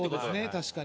確かに。